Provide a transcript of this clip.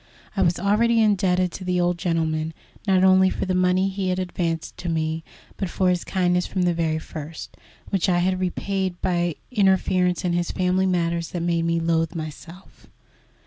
I was already indebted to the old gentleman, not only for the money he had advanced to me, but for his kindness from the very first, which I had repaid by an interference in his family affairs that made me loathe myself.